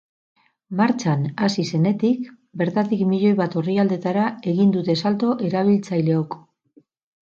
Martxan hasi zenetik, bertatik milioi bat orrialdetara egindute salto erabiltzaileok.